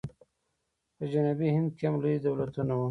په جنوبي هند کې هم لوی دولتونه وو.